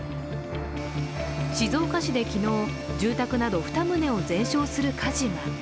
静岡市で昨日、住宅など２棟を全焼する火事が。